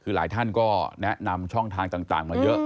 คือหลายท่านก็แนะนำช่องทางต่างมาเยอะ